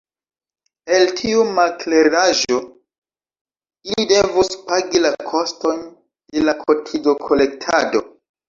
El tiu makleraĵo ili devus pagi la kostojn de la kotizokolektado.